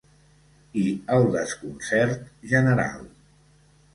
I el desconcert general.